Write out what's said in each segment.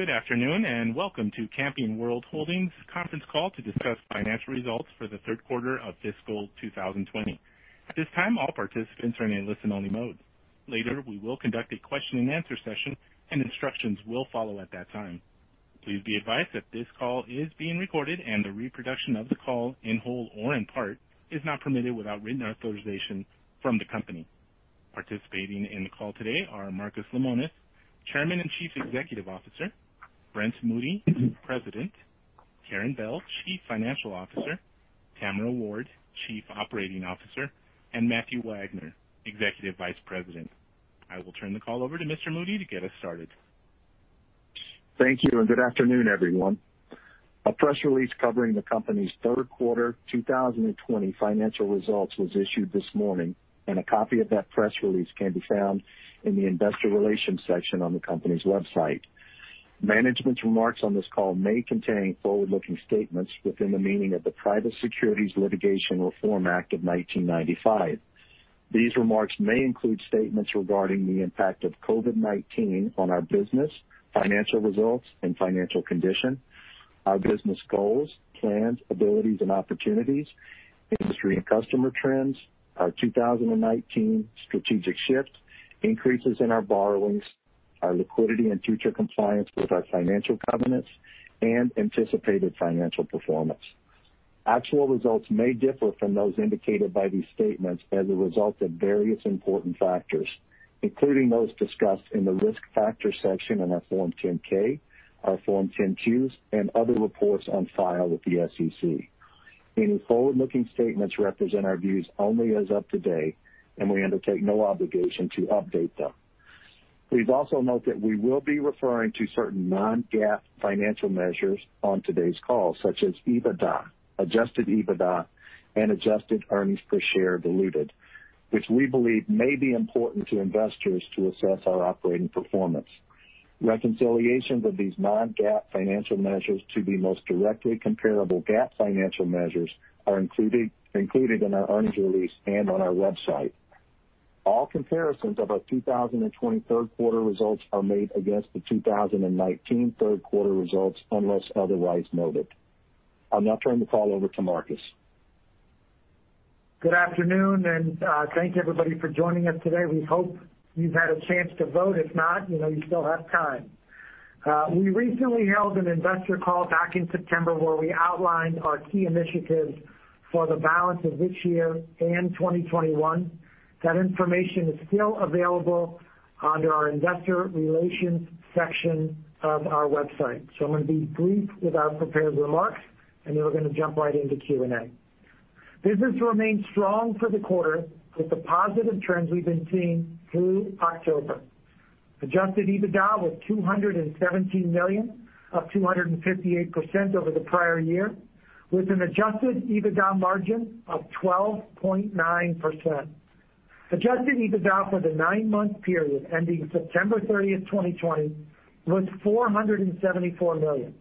Good afternoon and welcome to Camping World Holdings' conference call to discuss financial results for the third quarter of fiscal 2020. At this time, all participants are in a listen-only mode. Later, we will conduct a question-and-answer session, and instructions will follow at that time. Please be advised that this call is being recorded, and the reproduction of the call in whole or in part is not permitted without written authorization from the company. Participating in the call today are Marcus Lemonis, Chairman and Chief Executive Officer, Brent Moody, President, Karin Bell, Chief Financial Officer, Tamara Ward, Chief Operating Officer, and Matthew Wagner, Executive Vice President. I will turn the call over to Mr. Moody to get us started. Thank you and good afternoon, everyone. A press release covering the company's third quarter 2020 financial results was issued this morning, and a copy of that press release can be found in the investor relations section on the company's website. Management's remarks on this call may contain forward-looking statements within the meaning of the Private Securities Litigation Reform Act of 1995. These remarks may include statements regarding the impact of COVID-19 on our business, financial results, and financial condition, our business goals, plans, abilities, and opportunities, industry and customer trends, our 2019 strategic shift, increases in our borrowings, our liquidity and future compliance with our financial covenants, and anticipated financial performance. Actual results may differ from those indicated by these statements as a result of various important factors, including those discussed in the risk factor section in our Form 10-K, our Form 10-Qs, and other reports on file with the SEC. Any forward-looking statements represent our views only as of today, and we undertake no obligation to update them. Please also note that we will be referring to certain non-GAAP financial measures on today's call, such as EBITDA, Adjusted EBITDA, and Adjusted Earnings Per Share Diluted, which we believe may be important to investors to assess our operating performance. Reconciliations of these non-GAAP financial measures to be most directly comparable GAAP financial measures are included in our earnings release and on our website. All comparisons of our 2020 third quarter results are made against the 2019 third quarter results unless otherwise noted. I'll now turn the call over to Marcus. Good afternoon and thank you, everybody, for joining us today. We hope you've had a chance to vote. If not, you still have time. We recently held an investor call back in September where we outlined our key initiatives for the balance of this year and 2021. That information is still available under our investor relations section of our website. So I'm going to be brief with our prepared remarks, and then we're going to jump right into Q&A. Business remains strong for the quarter with the positive trends we've been seeing through October. Adjusted EBITDA was $217 million, up 258% over the prior year, with an Adjusted EBITDA margin of 12.9%. Adjusted EBITDA for the nine-month period ending September 30, 2020, was $474 million.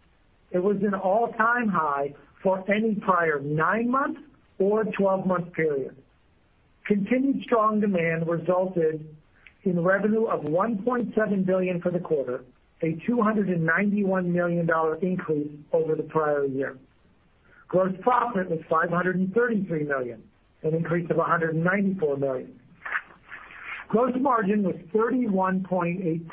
It was an all-time high for any prior nine-month or 12-month period. Continued strong demand resulted in revenue of $1.7 billion for the quarter, a $291 million increase over the prior year. Gross profit was $533 million, an increase of $194 million. Gross margin was 31.8%,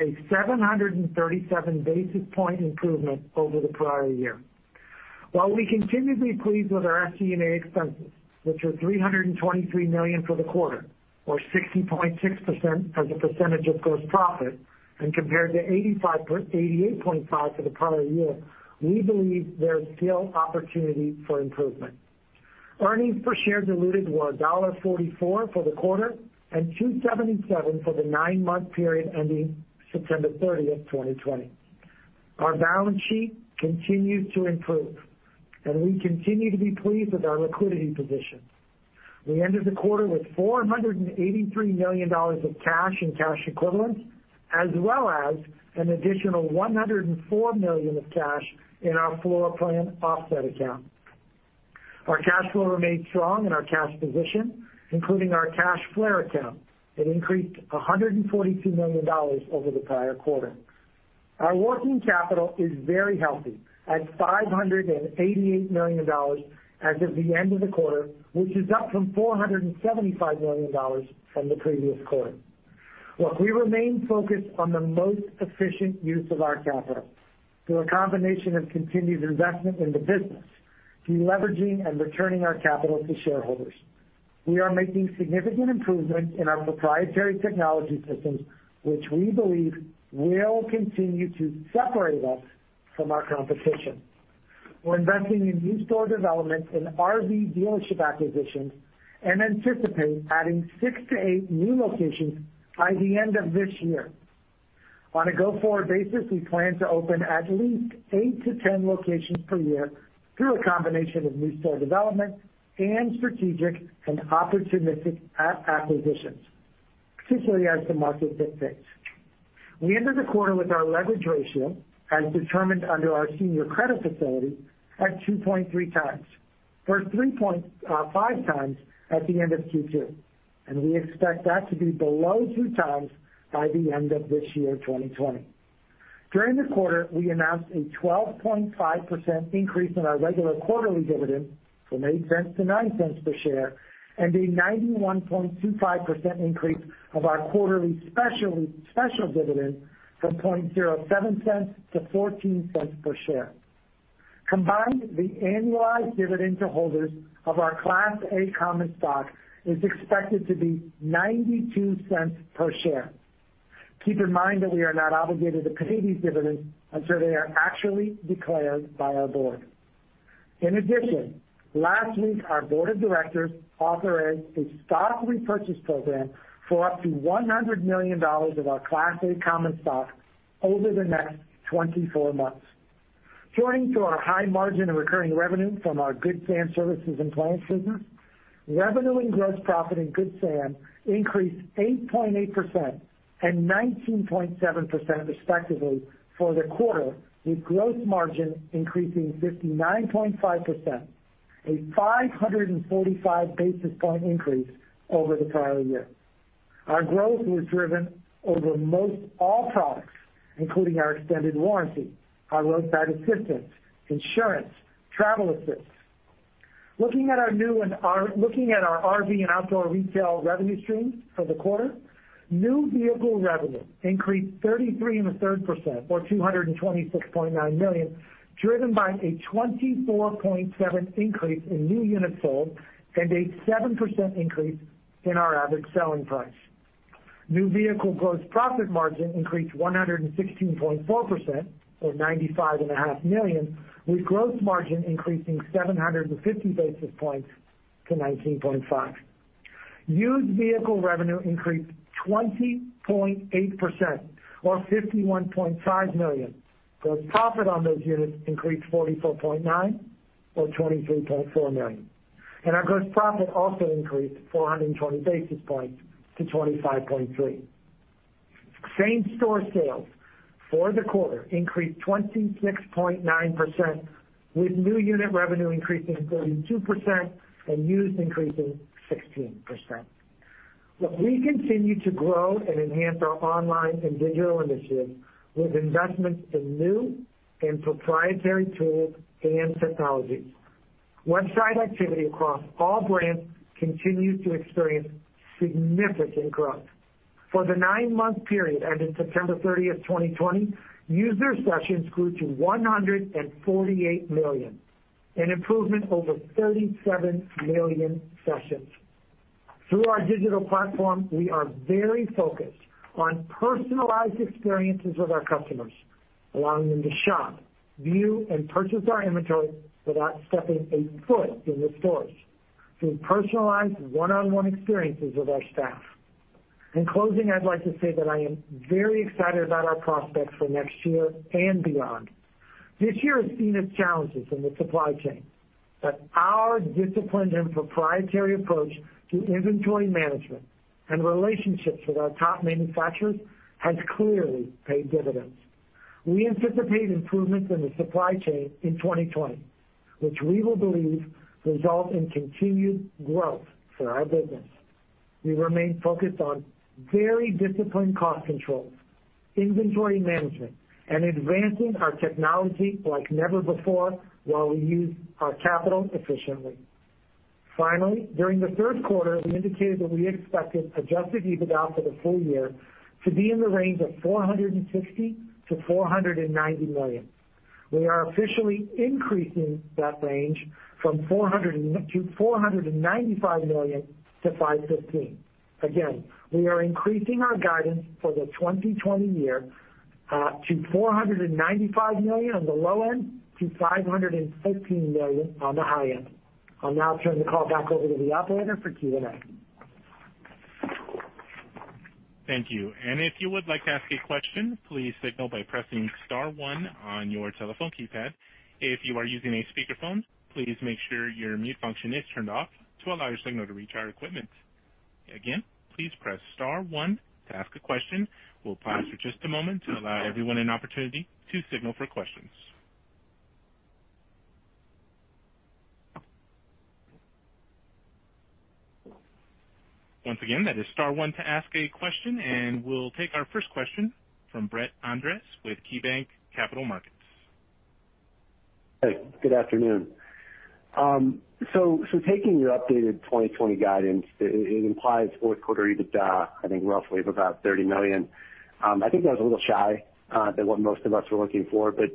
a 737 basis point improvement over the prior year. While we continue to be pleased with our SG&A expenses, which are $323 million for the quarter, or 60.6% as a percentage of gross profit, and compared to 88.5% for the prior year, we believe there is still opportunity for improvement. Earnings per share diluted were $1.44 for the quarter and $2.77 for the nine-month period ending September 30, 2020. Our balance sheet continues to improve, and we continue to be pleased with our liquidity position. We ended the quarter with $483 million of cash and cash equivalents, as well as an additional $104 million of cash in our Floor Plan Offset Account. Our cash flow remains strong and our cash position, including our Floor Plan Offset Account. It increased $142 million over the prior quarter. Our working capital is very healthy at $588 million as of the end of the quarter, which is up from $475 million from the previous quarter. Look, we remain focused on the most efficient use of our capital. Through a combination of continued investment in the business, de-leveraging, and returning our capital to shareholders, we are making significant improvements in our proprietary technology systems, which we believe will continue to separate us from our competition. We're investing in new store development and RV dealership acquisitions and anticipate adding six to eight new locations by the end of this year. On a go-forward basis, we plan to open at least eight to 10 locations per year through a combination of new store development and strategic and opportunistic acquisitions, particularly as the market dictates. We ended the quarter with our leverage ratio, as determined under our senior credit facility, at 2.3x, from 3.5x at the end of Q2, and we expect that to be below 3x by the end of this year, 2020. During the quarter, we announced a 12.5% increase in our regular quarterly dividend from $0.08 to $0.09 per share and a 91.25% increase of our quarterly special dividend from $0.07 to $0.14 per share. Combined, the annualized dividend to holders of our Class A Common Stock is expected to be $0.92 per share. Keep in mind that we are not obligated to pay these dividends until they are actually declared by our Board. In addition, last week, our Board of Directors authorized a stock repurchase program for up to $100 million of our Class A Common Stock over the next 24 months. Adding to our high-margin recurring revenue from our Good Sam Services and Plans business, revenue and gross profit in Good Sam increased 8.8% and 19.7% respectively for the quarter, with gross margin increasing 59.5%, a 545 basis points increase over the prior year. Our growth was driven by most all products, including our extended warranty, our roadside assistance, insurance, travel assistance. Looking at our RV and outdoor retail revenue streams for the quarter, new vehicle revenue increased 33.25% or $226.9 million, driven by a 24.7% increase in new units sold and a 7% increase in our average selling price. New vehicle gross profit margin increased 116.4% or $95.5 million, with gross margin increasing 750 basis points to 19.5%. Used vehicle revenue increased 20.8% or $51.5 million. Gross profit on those units increased 44.9% or $23.4 million. Our gross profit also increased 420 basis points to 25.3%. Same-store sales for the quarter increased 26.9%, with new unit revenue increasing 32% and used increasing 16%. Look, we continue to grow and enhance our online and digital initiatives with investments in new and proprietary tools and technologies. Website activity across all brands continues to experience significant growth. For the nine-month period ending September 30, 2020, user sessions grew to 148 million, an improvement over 37 million sessions. Through our digital platform, we are very focused on personalized experiences with our customers, allowing them to shop, view, and purchase our inventory without stepping a foot in the stores through personalized one-on-one experiences with our staff. In closing, I'd like to say that I am very excited about our prospects for next year and beyond. This year has seen its challenges in the supply chain, but our disciplined and proprietary approach to inventory management and relationships with our top manufacturers has clearly paid dividends. We anticipate improvements in the supply chain in 2020, which we will believe will result in continued growth for our business. We remain focused on very disciplined cost controls, inventory management, and advancing our technology like never before while we use our capital efficiently. Finally, during the third quarter, we indicated that we expected Adjusted EBITDA for the full year to be in the range of $460 million-$490 million. We are officially increasing that range from $495 million-$515 million. Again, we are increasing our guidance for the 2020 year to $495 million on the low end to $515 million on the high end. I'll now turn the call back over to the operator for Q&A. Thank you. And if you would like to ask a question, please signal by pressing star one on your telephone keypad. If you are using a speakerphone, please make sure your mute function is turned off to allow your signal to reach our equipment. Again, please press star one to ask a question. We'll pause for just a moment to allow everyone an opportunity to signal for questions. Once again, that is star one to ask a question, and we'll take our first question from Brett Andress with KeyBanc Capital Markets. Hey, good afternoon. So taking your updated 2020 guidance, it implies fourth quarter EBITDA, I think roughly of about $30 million. I think that was a little shy than what most of us were looking for, but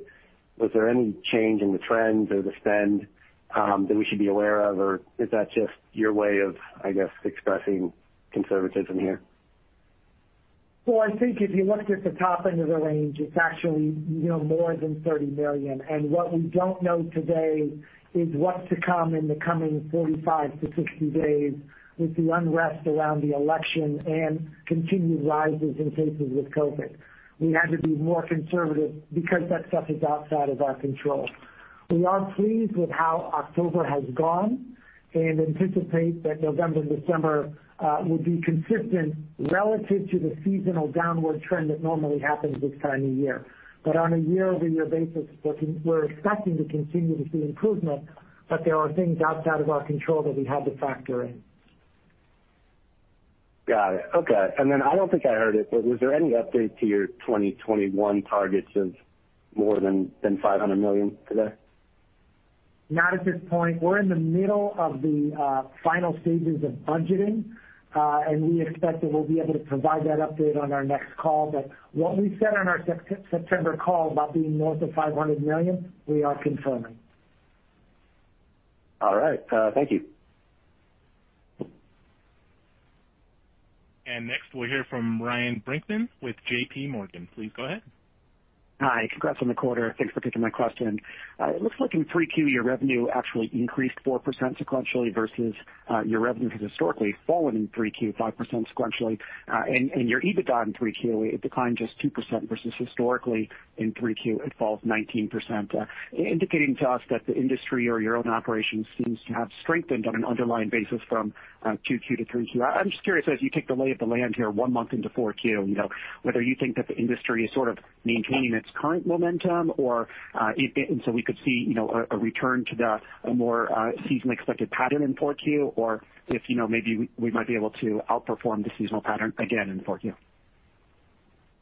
was there any change in the trends or the spend that we should be aware of, or is that just your way of, I guess, expressing conservatism here? Well, I think if you look at the top end of the range, it's actually more than 30 million. And what we don't know today is what's to come in the coming 45 days-60 days with the unrest around the election and continued rises in cases with COVID. We had to be more conservative because that stuff is outside of our control. We are pleased with how October has gone and anticipate that November and December will be consistent relative to the seasonal downward trend that normally happens this time of year. But on a year-over-year basis, we're expecting to continue to see improvement, but there are things outside of our control that we had to factor in. Got it. Okay. And then I don't think I heard it, but was there any update to your 2021 targets of more than 500 million today? Not at this point. We're in the middle of the final stages of budgeting, and we expect that we'll be able to provide that update on our next call. But what we said on our September call about being north of 500 million, we are confirming. All right. Thank you. And next, we'll hear from Ryan Brinkman with JPMorgan. Please go ahead. Hi. Congrats on the quarter. Thanks for taking my question. It looks like in 3Q, your revenue actually increased 4% sequentially versus your revenue has historically fallen in 3Q 5% sequentially. And your EBITDA in 3Q, it declined just 2% versus historically in 3Q, it falls 19%, indicating to us that the industry or your own operations seems to have strengthened on an underlying basis from 2Q to 3Q. I'm just curious, as you take the lay of the land here one month into 4Q, whether you think that the industry is sort of maintaining its current momentum or, and so we could see a return to the more seasonally expected pattern in 4Q, or if maybe we might be able to outperform the seasonal pattern again in 4Q?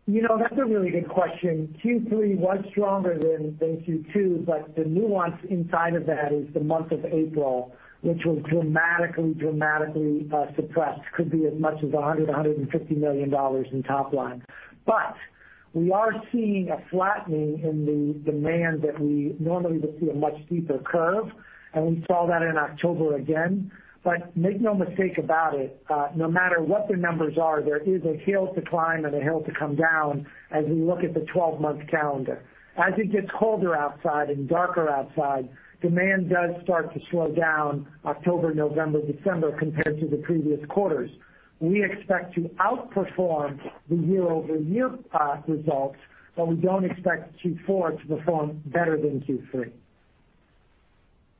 You know, that's a really good question. Q3 was stronger than Q2, but the nuance inside of that is the month of April, which was dramatically, dramatically suppressed, could be as much as $100 million-$150 million in top line. But we are seeing a flattening in the demand that we normally would see a much steeper curve, and we saw that in October again. But make no mistake about it, no matter what the numbers are, there is a hill to climb and a hill to come down as we look at the 12-month calendar. As it gets colder outside and darker outside, demand does start to slow down October, November, December compared to the previous quarters. We expect to outperform the year-over-year results, but we don't expect Q4 to perform better than Q3.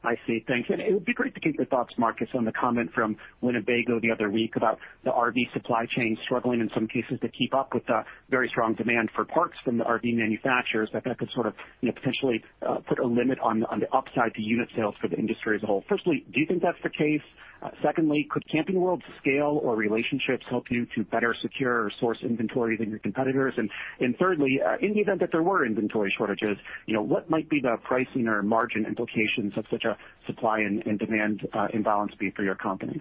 I see. Thanks. It would be great to get your thoughts, Marcus, on the comment from Winnebago the other week about the RV supply chain struggling in some cases to keep up with the very strong demand for parts from the RV manufacturers, that could sort of potentially put a limit on the upside to unit sales for the industry as a whole. Firstly, do you think that's the case? Secondly, could Camping World's scale or relationships help you to better secure or source inventory than your competitors? And thirdly, in the event that there were inventory shortages, what might be the pricing or margin implications of such a supply and demand imbalance be for your company?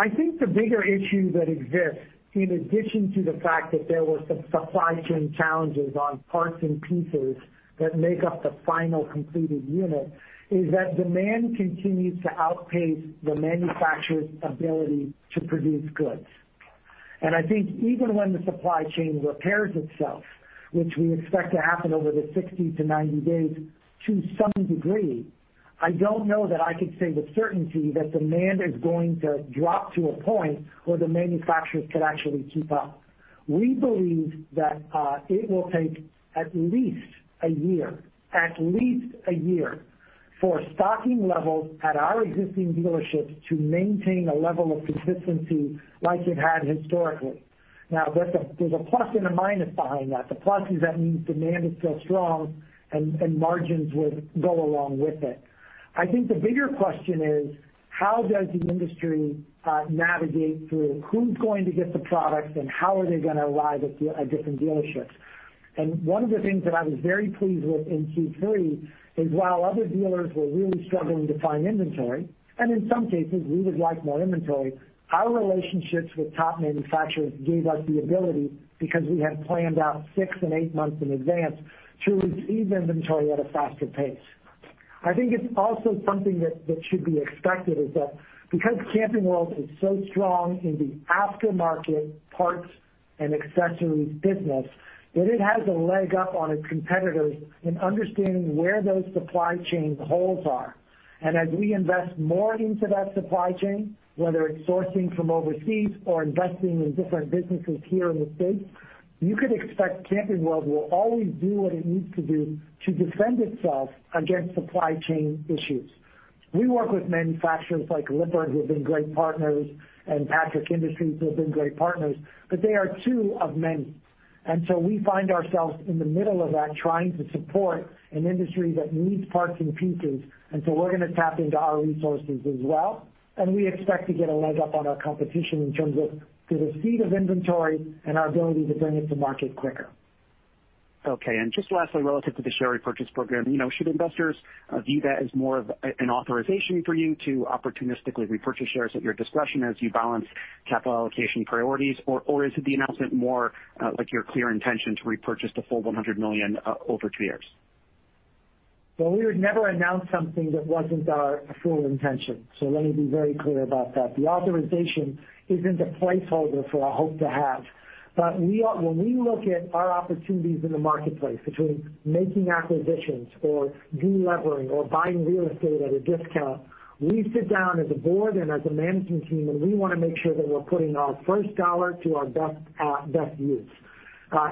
I think the bigger issue that exists, in addition to the fact that there were some supply chain challenges on parts and pieces that make up the final completed unit, is that demand continues to outpace the manufacturer's ability to produce goods. And I think even when the supply chain repairs itself, which we expect to happen over the 60 days- 90 days to some degree, I don't know that I can say with certainty that demand is going to drop to a point where the manufacturers can actually keep up. We believe that it will take at least a year, at least a year, for stocking levels at our existing dealerships to maintain a level of consistency like it had historically. Now, there's a plus and a minus behind that. The plus is that means demand is still strong and margins will go along with it. I think the bigger question is, how does the industry navigate through who's going to get the products and how are they going to arrive at different dealerships? And one of the things that I was very pleased with in Q3 is while other dealers were really struggling to find inventory, and in some cases, we would like more inventory, our relationships with top manufacturers gave us the ability, because we had planned out six and eight months in advance, to receive inventory at a faster pace. I think it's also something that should be expected is that because Camping World is so strong in the aftermarket parts and accessories business, that it has a leg up on its competitors in understanding where those supply chain holes are. And as we invest more into that supply chain, whether it's sourcing from overseas or investing in different businesses here in the States, you could expect Camping World will always do what it needs to do to defend itself against supply chain issues. We work with manufacturers like Lippert, who have been great partners, and Patrick Industries, who have been great partners, but they are two of many. And so we find ourselves in the middle of that trying to support an industry that needs parts and pieces. And so we're going to tap into our resources as well. And we expect to get a leg up on our competition in terms of the receipt of inventory and our ability to bring it to market quicker. Okay. And just lastly, relative to the share repurchase program, should investors view that as more of an authorization for you to opportunistically repurchase shares at your discretion as you balance capital allocation priorities, or is the announcement more like your clear intention to repurchase the full 100 million over two years? We would never announce something that wasn't our full intention. So let me be very clear about that. The authorization isn't a placeholder for a hope to have. But when we look at our opportunities in the marketplace between making acquisitions or delivering or buying real estate at a discount, we sit down as a Board and as a management team, and we want to make sure that we're putting our first dollar to our best use.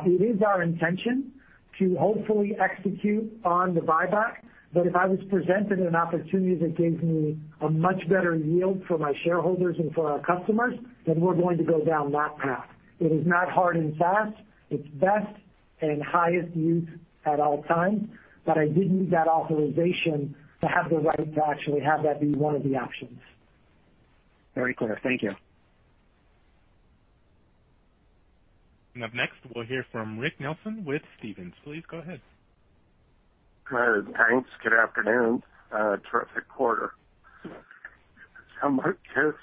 It is our intention to hopefully execute on the buyback, but if I was presented an opportunity that gave me a much better yield for my shareholders and for our customers, then we're going to go down that path. It is not hard and fast. It's best and highest use at all times, but I did need that authorization to have the right to actually have that be one of the options. Very clear. Thank you. Up next, we'll hear from Rick Nelson with Stephens. Please go ahead. Good. Thanks. Good afternoon. Terrific quarter. Marcus,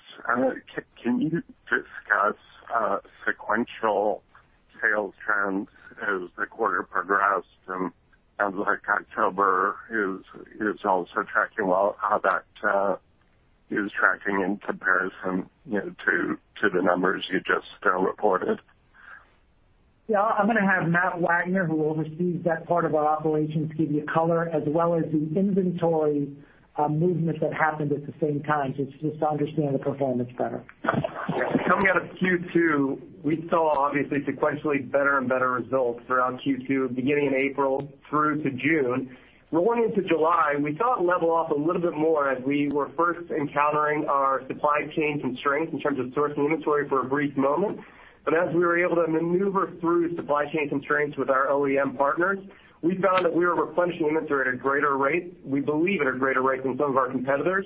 can you discuss sequential sales trends as the quarter progressed? And it sounds like October is also tracking well. How that is tracking in comparison to the numbers you just reported? Yeah. I'm going to have Matt Wagner, who oversees that part of our operations, give you color as well as the inventory movement that happened at the same time, just to understand the performance better. Coming out of Q2, we saw obviously sequentially better and better results throughout Q2, beginning in April through to June. Rolling into July, we saw it level off a little bit more as we were first encountering our supply chain constraints in terms of sourcing inventory for a brief moment. But as we were able to maneuver through supply chain constraints with our OEM partners, we found that we were replenishing inventory at a greater rate. We believe at a greater rate than some of our competitors.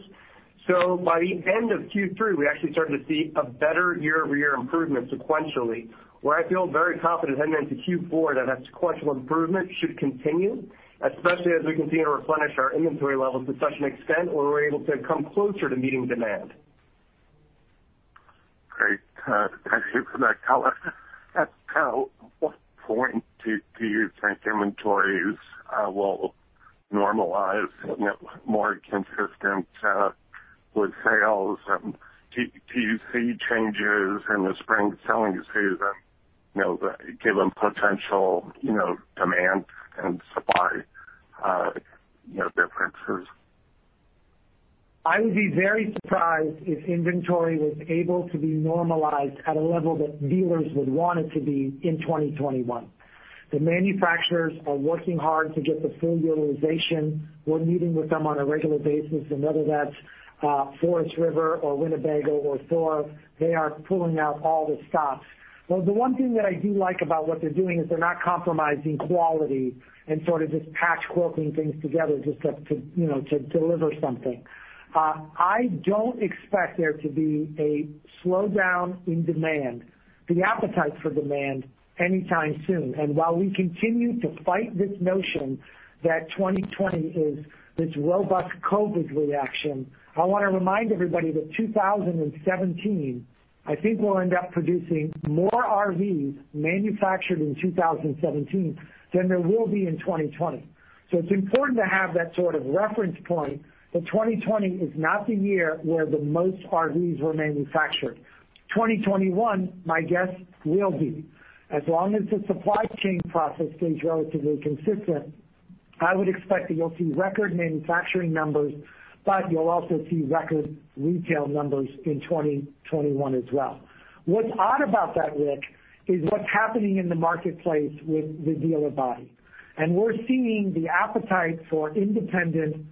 So by the end of Q3, we actually started to see a better year-over-year improvement sequentially, where I feel very confident heading into Q4 that that sequential improvement should continue, especially as we continue to replenish our inventory levels to such an extent where we're able to come closer to meeting demand. Great. Thank you for that color. At what point do you think inventories will normalize more consistent with sales, and do you see changes in the spring selling season given potential demand and supply differences? I would be very surprised if inventory was able to be normalized at a level that dealers would want it to be in 2021. The manufacturers are working hard to get the full utilization. We're meeting with them on a regular basis. And whether that's Forest River or Winnebago or Thor, they are pulling out all the stops. Well, the one thing that I do like about what they're doing is they're not compromising quality and sort of just patch quilting things together just to deliver something. I don't expect there to be a slowdown in demand, the appetite for demand anytime soon. And while we continue to fight this notion that 2020 is this robust COVID reaction, I want to remind everybody that 2017, I think we'll end up producing more RVs manufactured in 2017 than there will be in 2020. So it's important to have that sort of reference point that 2020 is not the year where the most RVs were manufactured. 2021, my guess, will be. As long as the supply chain process stays relatively consistent, I would expect that you'll see record manufacturing numbers, but you'll also see record retail numbers in 2021 as well. What's odd about that, Rick, is what's happening in the marketplace with the dealer body. And we're seeing the appetite for independent,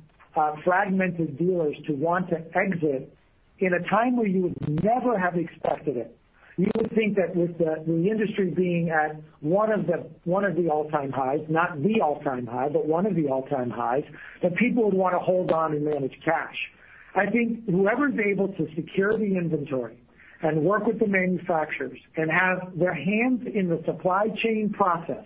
fragmented dealers to want to exit in a time where you would never have expected it. You would think that with the industry being at one of the all-time highs, not the all-time high, but one of the all-time highs, that people would want to hold on and manage cash. I think whoever's able to secure the inventory and work with the manufacturers and have their hands in the supply chain process,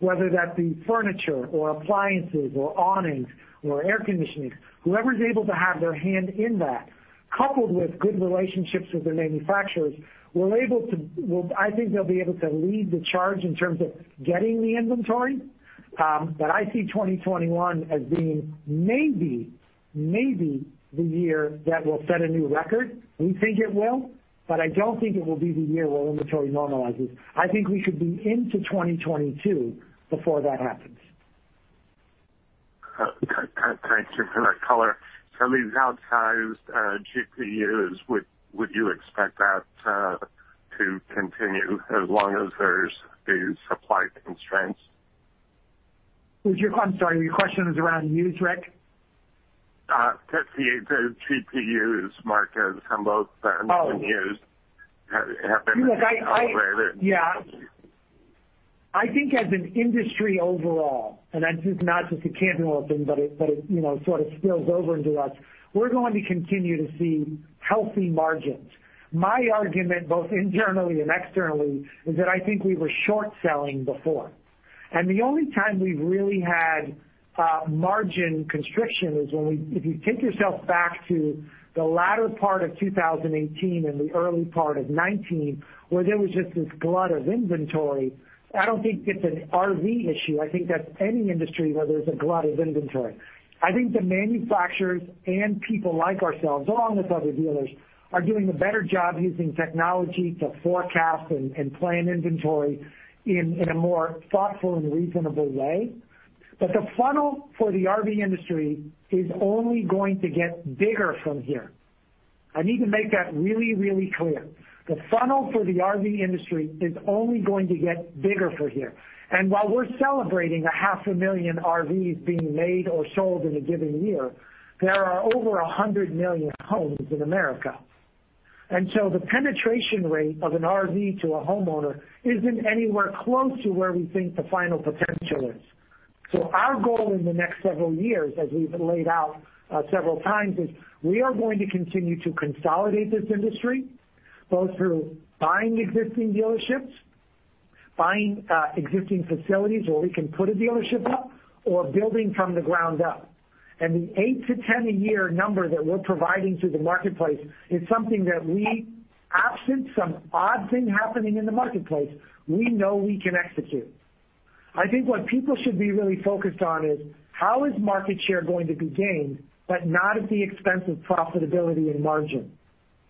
whether that be furniture or appliances or awnings or air conditioning, whoever's able to have their hand in that, coupled with good relationships with the manufacturers, we're able to, I think they'll be able to lead the charge in terms of getting the inventory. But I see 2021 as being maybe, maybe the year that will set a new record. We think it will, but I don't think it will be the year where inventory normalizes. I think we could be into 2022 before that happens. Thank you for that color. For these outsized GPUs, would you expect that to continue as long as there's these supply constraints? I'm sorry. Your question was around use, Rick? GPUs, Marcus, on both new and used, have they been exploited? Yeah. I think as an industry overall, and this is not just the Camping World thing, but it sort of spills over into us, we're going to continue to see healthy margins. My argument, both internally and externally, is that I think we were short selling before. And the only time we've really had margin constriction is when we, if you take yourself back to the latter part of 2018 and the early part of 2019, where there was just this glut of inventory, I don't think it's an RV issue. I think that's any industry, where there's a glut of inventory. I think the manufacturers and people like ourselves, along with other dealers, are doing a better job using technology to forecast and plan inventory in a more thoughtful and reasonable way. But the funnel for the RV industry is only going to get bigger from here. I need to make that really, really clear. The funnel for the RV industry is only going to get bigger from here, and while we're celebrating 500,000 RVs being made or sold in a given year, there are over 100 million homes in America. So the penetration rate of an RV to a homeowner isn't anywhere close to where we think the final potential is. Our goal in the next several years, as we've laid out several times, is we are going to continue to consolidate this industry, both through buying existing dealerships, buying existing facilities where we can put a dealership up, or building from the ground up. The eight to 10-year number that we're providing to the marketplace is something that we, absent some odd thing happening in the marketplace, we know we can execute. I think what people should be really focused on is how is market share going to be gained, but not at the expense of profitability and margin.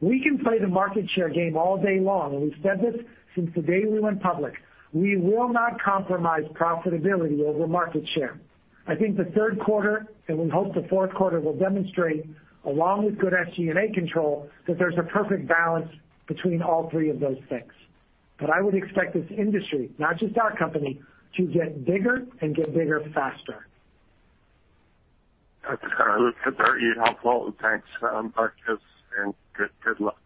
We can play the market share game all day long, and we've said this since the day we went public. We will not compromise profitability over market share. I think the third quarter, and we hope the fourth quarter, will demonstrate, along with good SG&A control, that there's a perfect balance between all three of those things, but I would expect this industry, not just our company, to get bigger and get bigger faster. That's very helpful. Thanks, Marcus, and good luck.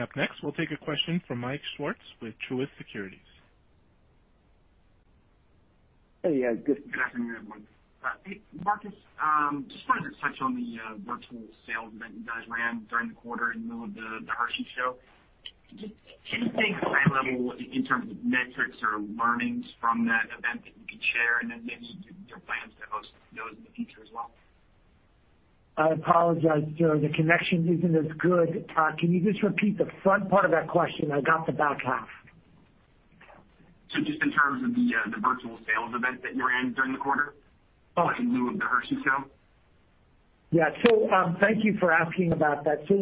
Up next, we'll take a question from Michael Swartz with Truist Securities. Hey, yeah. Good afternoon. Marcus, just wanted to touch on the virtual sales event you guys ran during the quarter in the middle of the Hershey Show. Anything high level in terms of metrics or learnings from that event that you could share, and then maybe your plans to host those in the future as well? I apologize, sir. The connection isn't as good. Can you just repeat the front part of that question? I got the back half. Just in terms of the virtual sales event that you ran during the quarter in lieu of the Hershey Show? Yeah. So thank you for asking about that. So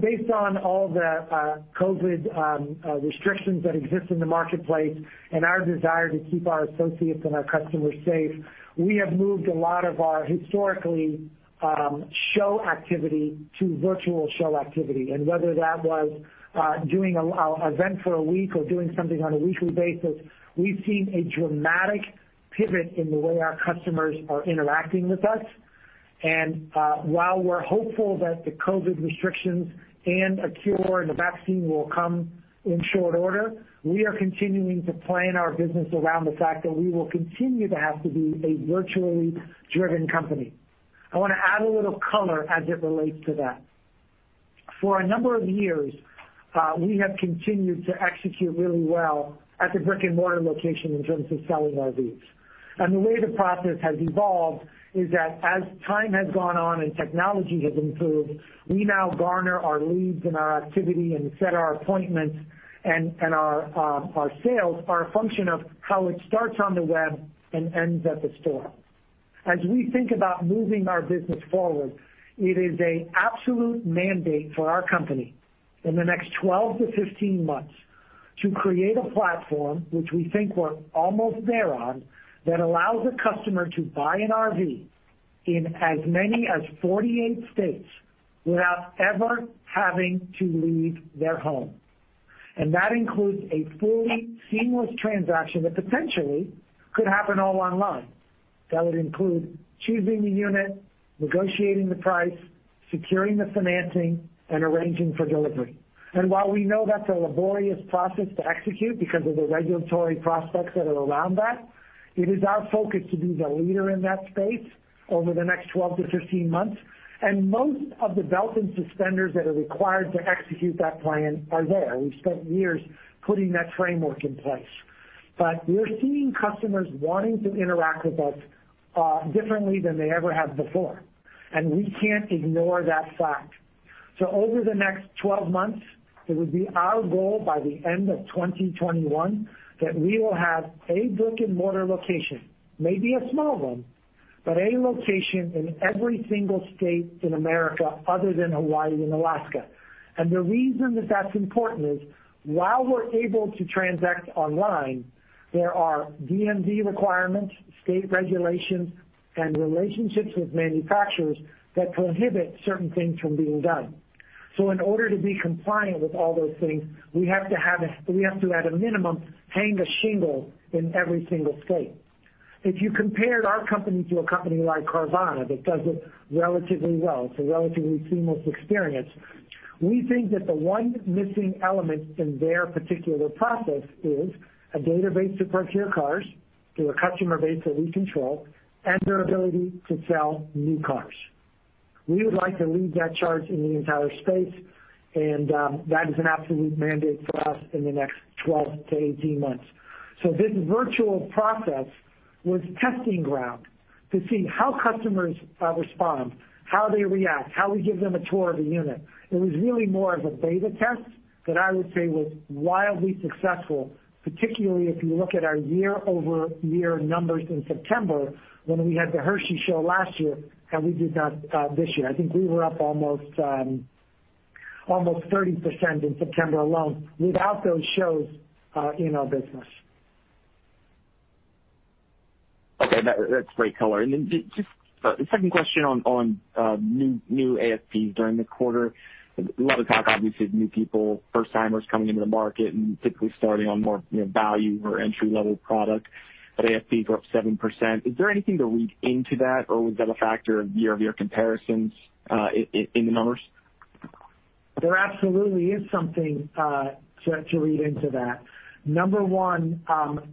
based on all the COVID restrictions that exist in the marketplace and our desire to keep our associates and our customers safe, we have moved a lot of our historically show activity to virtual show activity. And whether that was doing an event for a week or doing something on a weekly basis, we've seen a dramatic pivot in the way our customers are interacting with us. And while we're hopeful that the COVID restrictions and a cure and a vaccine will come in short order, we are continuing to plan our business around the fact that we will continue to have to be a virtually driven company. I want to add a little color as it relates to that. For a number of years, we have continued to execute really well at the brick-and-mortar location in terms of selling RVs. The way the process has evolved is that as time has gone on and technology has improved, we now garner our leads and our activity and set our appointments and our sales are a function of how it starts on the web and ends at the store. As we think about moving our business forward, it is an absolute mandate for our company in the next 12 to 15 months to create a platform, which we think we're almost there on, that allows a customer to buy an RV in as many as 48 states without ever having to leave their home. That includes a fully seamless transaction that potentially could happen all online. That would include choosing the unit, negotiating the price, securing the financing, and arranging for delivery. And while we know that's a laborious process to execute because of the regulatory aspects that are around that, it is our focus to be the leader in that space over the next 12 months-15 months. And most of the belt and suspenders that are required to execute that plan are there. We've spent years putting that framework in place. But we're seeing customers wanting to interact with us differently than they ever have before. And we can't ignore that fact. So over the next 12 months, it would be our goal by the end of 2021 that we will have a brick-and-mortar location, maybe a small one, but a location in every single state in America other than Hawaii and Alaska. The reason that that's important is while we're able to transact online, there are DMV requirements, state regulations, and relationships with manufacturers that prohibit certain things from being done. So in order to be compliant with all those things, we have to at a minimum hang a shingle in every single state. If you compared our company to a company like Carvana that does it relatively well, it's a relatively seamless experience. We think that the one missing element in their particular process is a database to procure cars through a customer base that we control and their ability to sell new cars. We would like to lead that charge in the entire space, and that is an absolute mandate for us in the next 12 to 18 months. This virtual process was testing ground to see how customers respond, how they react, how we give them a tour of the unit. It was really more of a beta test that I would say was wildly successful, particularly if you look at our year-over-year numbers in September when we had the Hershey Show last year and we did not this year. I think we were up almost 30% in September alone without those shows in our business. Okay. That's great color. And then just a second question on new ASPs during the quarter. A lot of talk, obviously, of new people, first-timers coming into the market and typically starting on more value or entry-level product. But ASPs were up 7%. Is there anything to read into that, or was that a factor of year-over-year comparisons in the numbers? There absolutely is something to read into that. Number one,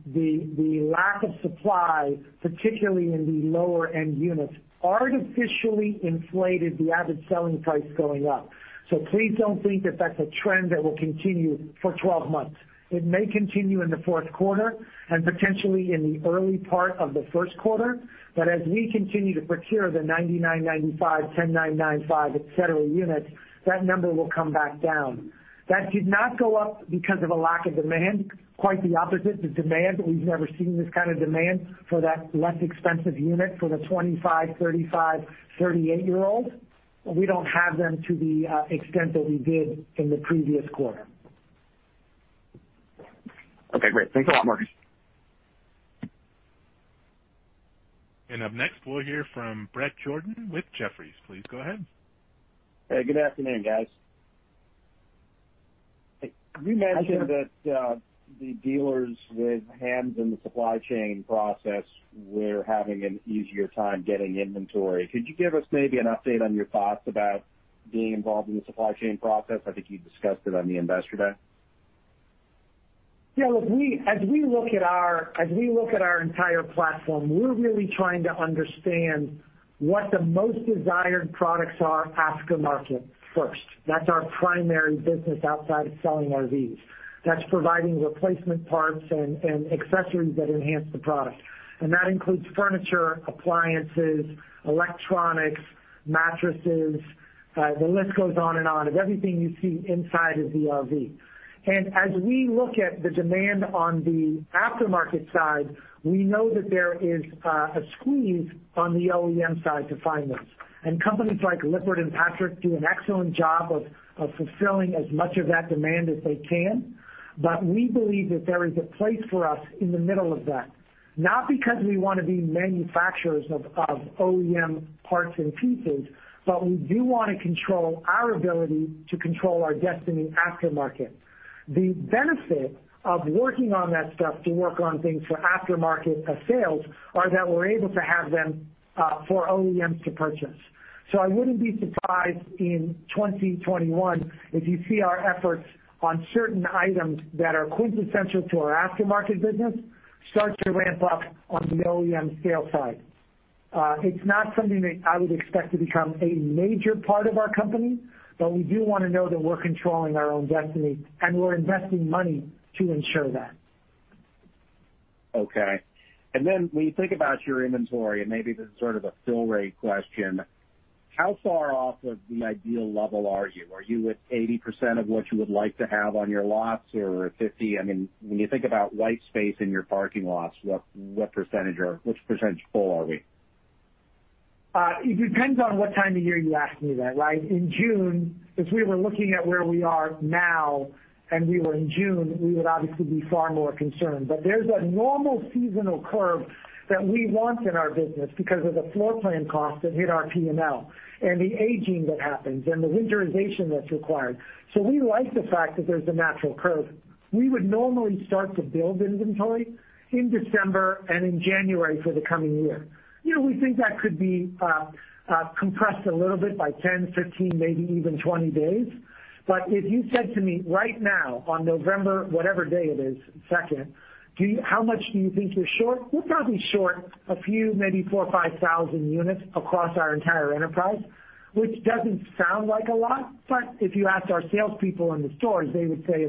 the lack of supply, particularly in the lower-end units, artificially inflated the average selling price going up. So please don't think that that's a trend that will continue for 12 months. It may continue in the fourth quarter and potentially in the early part of the first quarter. But as we continue to procure the 9,995, 10,995 etc. units, that number will come back down. That did not go up because of a lack of demand. Quite the opposite, the demand. We've never seen this kind of demand for that less expensive unit for the 25, 35, 38-year-old. We don't have them to the extent that we did in the previous quarter. Okay. Great. Thanks a lot, Marcus. And up next, we'll hear from Bret Jordan with Jefferies. Please go ahead. Hey, good afternoon, guys. Hey. You mentioned that the dealers with hands in the supply chain process were having an easier time getting inventory. Could you give us maybe an update on your thoughts about being involved in the supply chain process? I think you discussed it on the investor day. Yeah. Look, as we look at our entire platform, we're really trying to understand what the most desired products are after market first. That's our primary business outside of selling RVs. That's providing replacement parts and accessories that enhance the product. And that includes furniture, appliances, electronics, mattresses. The list goes on and on. Everything you see inside is the RV. And as we look at the demand on the aftermarket side, we know that there is a squeeze on the OEM side to find those. And companies like Lippert and Patrick do an excellent job of fulfilling as much of that demand as they can. But we believe that there is a place for us in the middle of that. Not because we want to be manufacturers of OEM parts and pieces, but we do want to control our ability to control our destiny aftermarket. The benefit of working on that stuff to work on things for aftermarket sales are that we're able to have them for OEMs to purchase. So I wouldn't be surprised in 2021 if you see our efforts on certain items that are quintessential to our aftermarket business start to ramp up on the OEM sale side. It's not something that I would expect to become a major part of our company, but we do want to know that we're controlling our own destiny and we're investing money to ensure that. Okay. And then when you think about your inventory, and maybe this is sort of a fill rate question, how far off of the ideal level are you? Are you at 80% of what you would like to have on your lots or 50%? I mean, when you think about white space in your parking lots, what percentage or which percentage full are we? It depends on what time of year you ask me that, right? In June, if we were looking at where we are now and we were in June, we would obviously be far more concerned. But there's a normal seasonal curve that we want in our business because of the floor plan costs that hit our P&L and the aging that happens and the winterization that's required. So we like the fact that there's a natural curve. We would normally start to build inventory in December and in January for the coming year. We think that could be compressed a little bit by 10, 15, maybe even 20 days. But if you said to me right now on November, whatever day it is, 2nd, how much do you think you're short? We're probably short a few, maybe 4,000 or 5,000 units across our entire enterprise, which doesn't sound like a lot. But if you ask our salespeople in the stores, they would say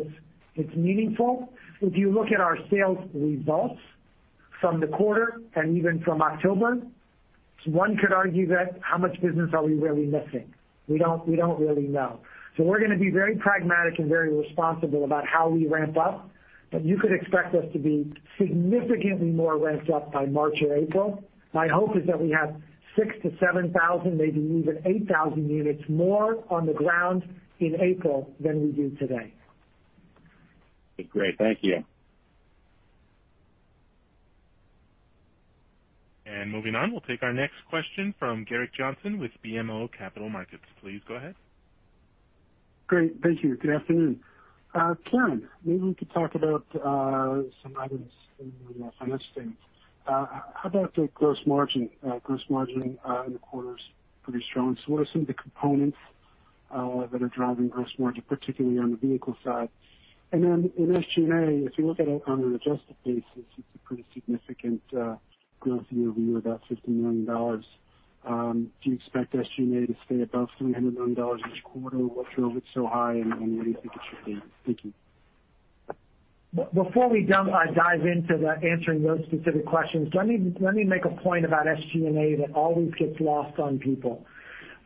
it's meaningful. If you look at our sales results from the quarter and even from October, one could argue that how much business are we really missing? We don't really know. So we're going to be very pragmatic and very responsible about how we ramp up. But you could expect us to be significantly more ramped up by March or April. My hope is that we have 6,000-7,000, maybe even 8,000 units more on the ground in April than we do today. Great. Thank you. Moving on, we'll take our next question from Gerrick Johnson with BMO Capital Markets. Please go ahead. Great. Thank you. Good afternoon. Karin, maybe we could talk about some items in the finance thing. How about the gross margin? Gross margin in the quarter is pretty strong. So what are some of the components that are driving gross margin, particularly on the vehicle side? And then in SG&A, if you look at it on an adjusted basis, it's a pretty significant growth year over year, about $50 million. Do you expect SG&A to stay above $300 million each quarter? What drove it so high, and what do you think it should be? Thank you. Before we dive into answering those specific questions, let me make a point about SG&A that always gets lost on people.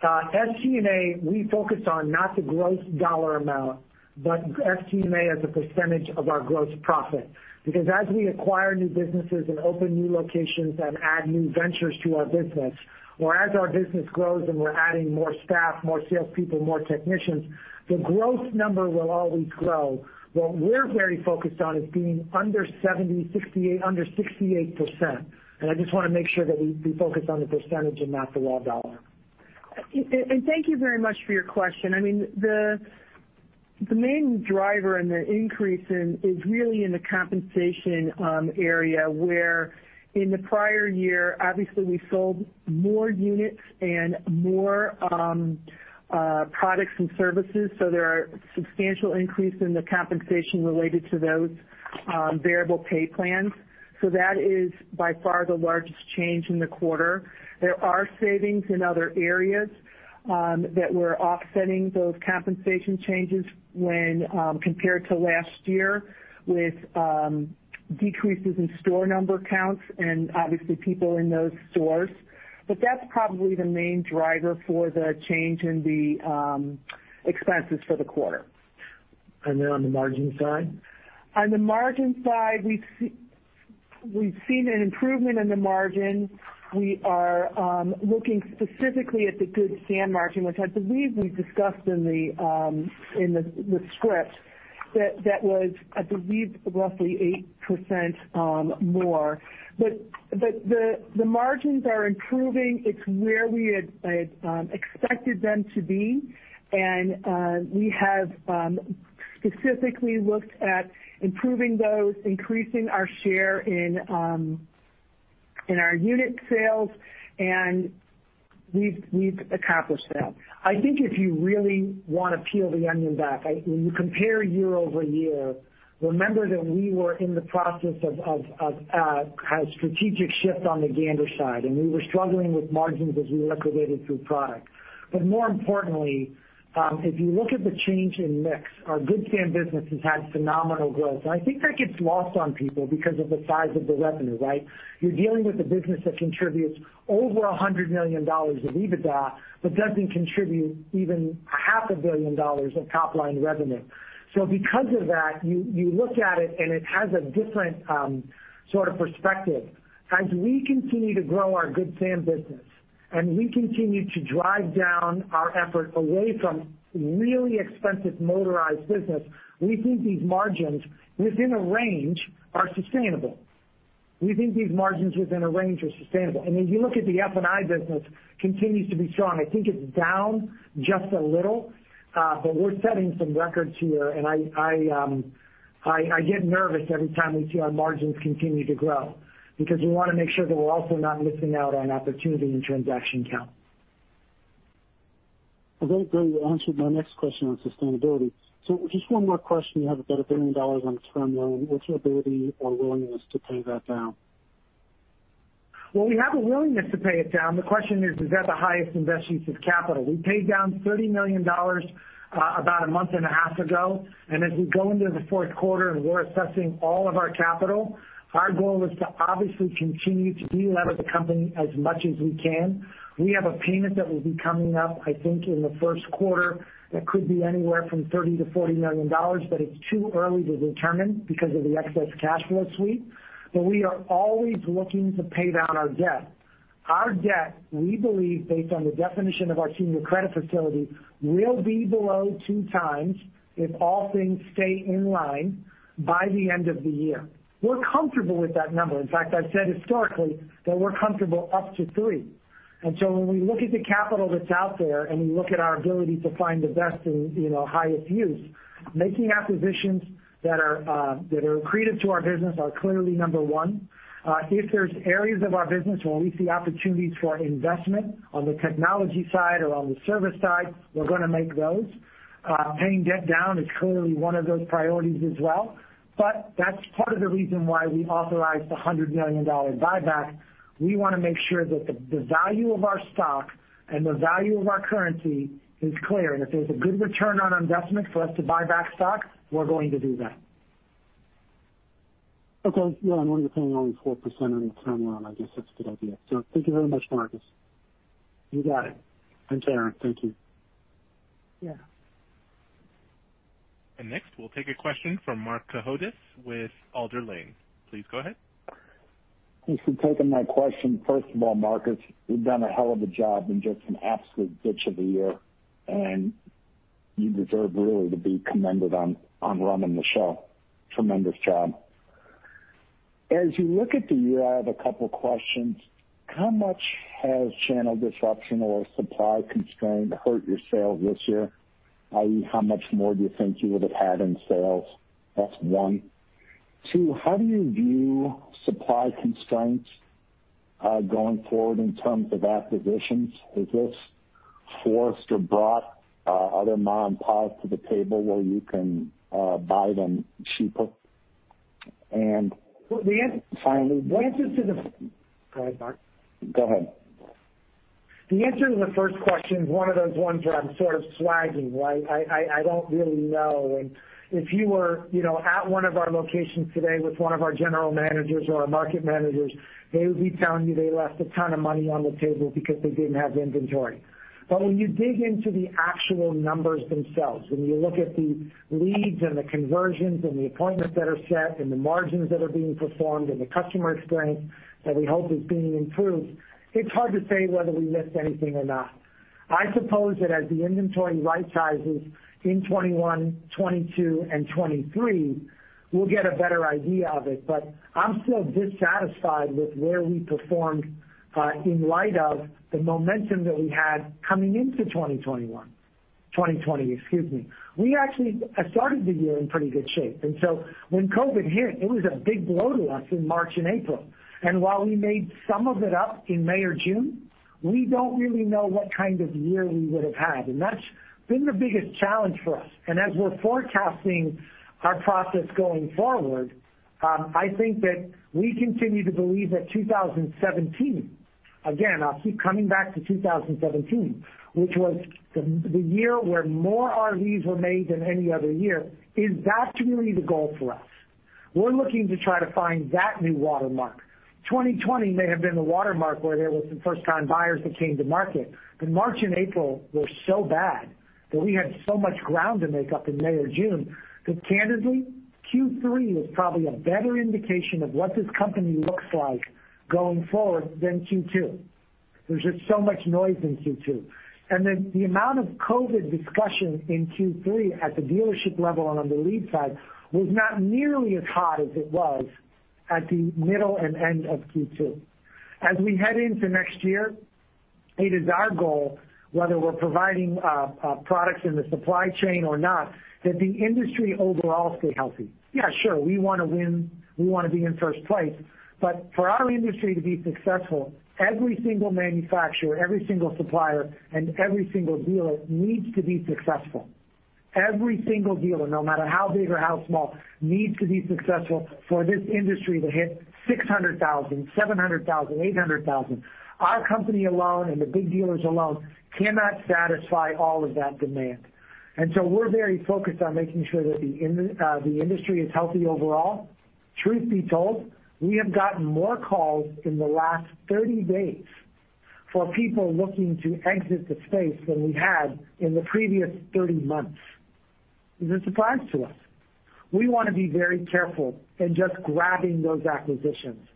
SG&A, we focus on not the gross dollar amount, but SG&A as a percentage of our gross profit. Because as we acquire new businesses and open new locations and add new ventures to our business, or as our business grows and we're adding more staff, more salespeople, more technicians, the gross number will always grow. What we're very focused on is being under 68%. And I just want to make sure that we focus on the percentage and not the raw dollar. Thank you very much for your question. I mean, the main driver in the increase is really in the compensation area where in the prior year, obviously, we sold more units and more products and services. So there are substantial increases in the compensation related to those variable pay plans. So that is by far the largest change in the quarter. There are savings in other areas that we're offsetting those compensation changes when compared to last year with decreases in store number counts and obviously people in those stores. That's probably the main driver for the change in the expenses for the quarter. And then on the margin side? On the margin side, we've seen an improvement in the margin. We are looking specifically at the Good Sam margin, which I believe we discussed in the script that was, I believe, roughly 8% more. But the margins are improving. It's where we had expected them to be. And we have specifically looked at improving those, increasing our share in our unit sales, and we've accomplished that. I think if you really want to peel the onion back, when you compare year over year, remember that we were in the process of a strategic shift on the Gander side. And we were struggling with margins as we liquidated through product. But more importantly, if you look at the change in mix, our Good Sam business has had phenomenal growth. And I think that gets lost on people because of the size of the revenue, right? You're dealing with a business that contributes over $100 million of EBITDA but doesn't contribute even $500 million of top-line revenue. So because of that, you look at it and it has a different sort of perspective. As we continue to grow our Good Sam business and we continue to drive down our effort away from really expensive motorized business, we think these margins within a range are sustainable. We think these margins within a range are sustainable. And if you look at the F&I business, it continues to be strong. I think it's down just a little, but we're setting some records here. And I get nervous every time we see our margins continue to grow because we want to make sure that we're also not missing out on opportunity and transaction count. That greatly answered my next question on sustainability. Just one more question. You have about $1 billion on a term loan. What's your ability or willingness to pay that down? We have a willingness to pay it down. The question is, is that the highest investment of capital? We paid down $30 million about a month and a half ago. As we go into the fourth quarter and we're assessing all of our capital, our goal is to obviously continue to deleverage the company as much as we can. We have a payment that will be coming up, I think, in the first quarter that could be anywhere from $30 million-$40 million, but it's too early to determine because of the excess cash flow sweep. We are always looking to pay down our debt. Our debt, we believe, based on the definition of our senior credit facility, will be below 2x if all things stay in line by the end of the year. We're comfortable with that number. In fact, I've said historically that we're comfortable up to three. And so when we look at the capital that's out there and we look at our ability to find the best and highest use, making acquisitions that are accretive to our business are clearly number one. If there's areas of our business where we see opportunities for investment on the technology side or on the service side, we're going to make those. Paying debt down is clearly one of those priorities as well. But that's part of the reason why we authorized the $100 million buyback. We want to make sure that the value of our stock and the value of our currency is clear. And if there's a good return on investment for us to buy back stock, we're going to do that. Okay. Yeah. And we're only paying 4% on the term loan. I guess that's a good idea. So thank you very much, Marcus. You got it. And Karin, thank you. Yeah. Next, we'll take a question from Marc Cohodes with Alder Lane. Please go ahead. Thanks for taking my question. First of all, Marcus, you've done a hell of a job in just an absolute bitch of a year. And you deserve really to be commended on running the show. Tremendous job. As you look at the year, I have a couple of questions. How much has channel disruption or supply constraint hurt your sales this year? How much more do you think you would have had in sales? That's one. Two, how do you view supply constraints going forward in terms of acquisitions? Is this forced or brought other mom and pops to the table where you can buy them cheaper? And finally. The answer to the. Go ahead, Mark. Go ahead. The answer to the first question is one of those ones where I'm sort of swagging, right? I don't really know. And if you were at one of our locations today with one of our general managers or our market managers, they would be telling you they left a ton of money on the table because they didn't have inventory. But when you dig into the actual numbers themselves, when you look at the leads and the conversions and the appointments that are set and the margins that are being performed and the customer experience that we hope is being improved, it's hard to say whether we missed anything or not. I suppose that as the inventory right-sizes in 2021, 2022, and 2023, we'll get a better idea of it. But I'm still dissatisfied with where we performed in light of the momentum that we had coming into 2021, 2020, excuse me. We actually started the year in pretty good shape. And so when COVID hit, it was a big blow to us in March and April. And while we made some of it up in May or June, we don't really know what kind of year we would have had. And that's been the biggest challenge for us. And as we're forecasting our process going forward, I think that we continue to believe that 2017, again, I'll keep coming back to 2017, which was the year where more RVs were made than any other year, is that really the goal for us? We're looking to try to find that new watermark. 2020 may have been the watermark where there were some first-time buyers that came to market. But March and April were so bad that we had so much ground to make up in May or June that, candidly, Q3 is probably a better indication of what this company looks like going forward than Q2. There's just so much noise in Q2. And then the amount of COVID discussion in Q3 at the dealership level and on the lead side was not nearly as hot as it was at the middle and end of Q2. As we head into next year, it is our goal, whether we're providing products in the supply chain or not, that the industry overall stay healthy. Yeah, sure. We want to win. We want to be in first place. But for our industry to be successful, every single manufacturer, every single supplier, and every single dealer needs to be successful. Every single dealer, no matter how big or how small, needs to be successful for this industry to hit 600,000, 700,000, 800,000. Our company alone and the big dealers alone cannot satisfy all of that demand. And so we're very focused on making sure that the industry is healthy overall. Truth be told, we have gotten more calls in the last 30 days for people looking to exit the space than we had in the previous 30 months. It's a surprise to us. We want to be very careful in just grabbing those acquisitions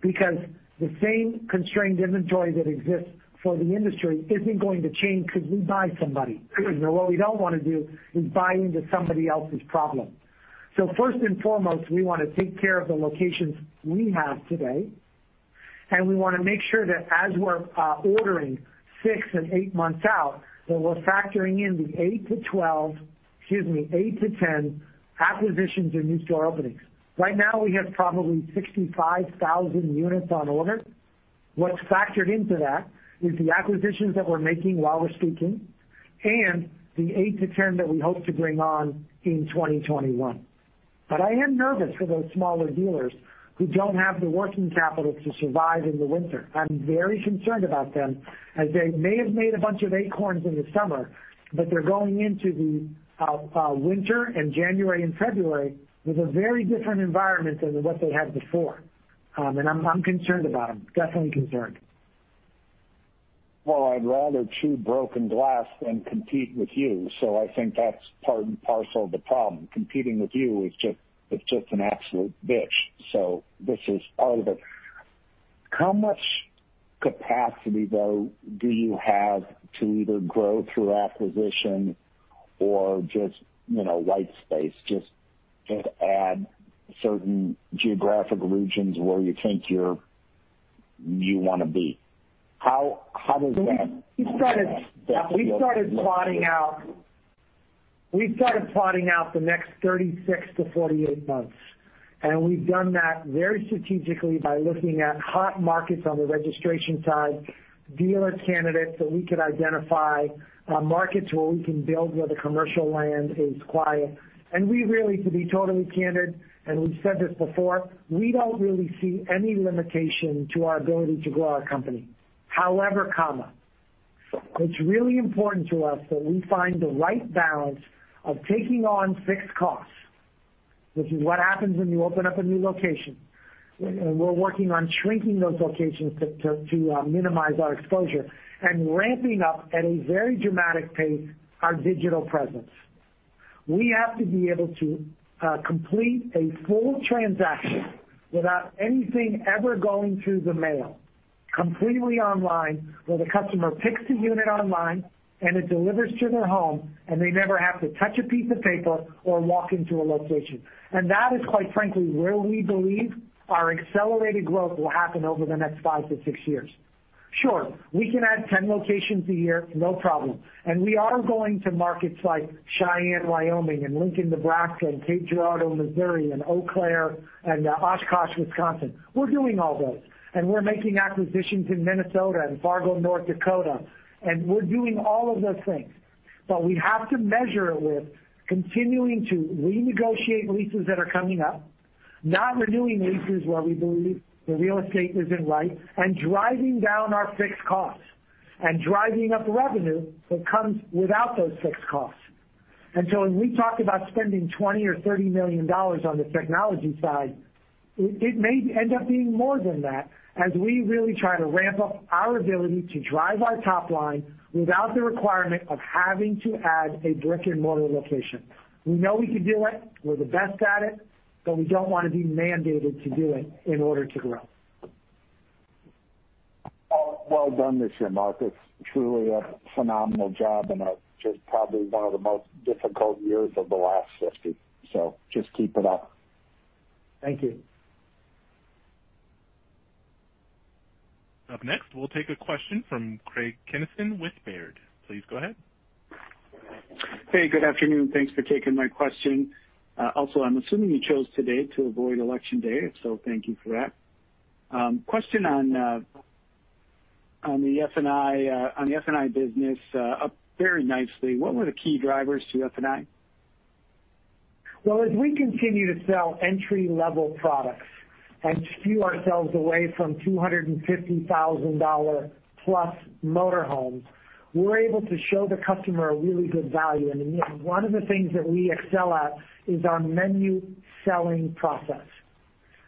because the same constrained inventory that exists for the industry isn't going to change because we buy somebody. And what we don't want to do is buy into somebody else's problem. So first and foremost, we want to take care of the locations we have today. And we want to make sure that as we're ordering six and eight months out, that we're factoring in the eight to 12, excuse me, eight to 10 acquisitions and new store openings. Right now, we have probably 65,000 units on order. What's factored into that is the acquisitions that we're making while we're speaking and the eight to 10 that we hope to bring on in 2021. But I am nervous for those smaller dealers who don't have the working capital to survive in the winter. I'm very concerned about them as they may have made a bunch of acorns in the summer, but they're going into the winter and January and February with a very different environment than what they had before. And I'm concerned about them. Definitely concerned. Well, I'd rather chew broken glass than compete with you. So I think that's part and parcel of the problem. Competing with you is just an absolute bitch. So this is part of it. How much capacity, though, do you have to either grow through acquisition or just white space, just add certain geographic regions where you think you want to be? How does that? We've started plotting out the next 36-48 months, and we've done that very strategically by looking at hot markets on the registration side, dealer candidates that we could identify, markets where we can build where the commercial land is quiet, and we really, to be totally candid, and we've said this before, we don't really see any limitation to our ability to grow our company. However, it's really important to us that we find the right balance of taking on fixed costs, which is what happens when you open up a new location, and we're working on shrinking those locations to minimize our exposure and ramping up at a very dramatic pace our digital presence. We have to be able to complete a full transaction without anything ever going through the mail, completely online where the customer picks a unit online and it delivers to their home, and they never have to touch a piece of paper or walk into a location, and that is, quite frankly, where we believe our accelerated growth will happen over the next five to six years. Sure, we can add 10 locations a year, no problem, and we are going to markets like Cheyenne, Wyoming, and Lincoln, Nebraska, and Cape Girardeau, Missouri, and Eau Claire, and Oshkosh, Wisconsin. We're doing all those, and we're making acquisitions in Minnesota and Fargo, North Dakota, and we're doing all of those things. But we have to measure it with continuing to renegotiate leases that are coming up, not renewing leases where we believe the real estate isn't right, and driving down our fixed costs and driving up revenue that comes without those fixed costs. And so when we talk about spending $20 million-$30 million on the technology side, it may end up being more than that as we really try to ramp up our ability to drive our top line without the requirement of having to add a brick-and-mortar location. We know we can do it. We're the best at it. But we don't want to be mandated to do it in order to grow. Well done this year, Marc. It's truly a phenomenal job in just probably one of the most difficult years of the last 50. So just keep it up. Thank you. Up next, we'll take a question from Craig Kennison with Baird. Please go ahead. Hey, good afternoon. Thanks for taking my question. Also, I'm assuming you chose today to avoid Election Day. If so, thank you for that. Question on the F&I business very nicely. What were the key drivers to F&I? As we continue to sell entry-level products and skew ourselves away from $250,000-plus motorhomes, we're able to show the customer a really good value. And one of the things that we excel at is our menu selling process.